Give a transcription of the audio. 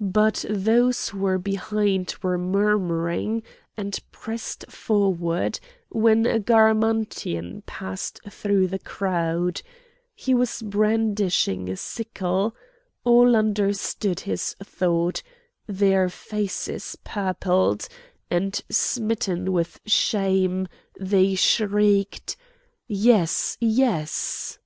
But those who were behind were murmuring and pressed forward when a Garamantian passed through the crowd; he was brandishing a sickle; all understood his thought; their faces purpled, and smitten with shame they shrieked: "Yes! yes!"